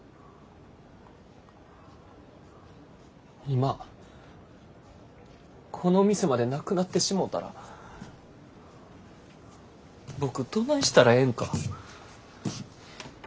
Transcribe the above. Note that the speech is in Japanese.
今この店までなくなってしもたら僕どないしたらええんか。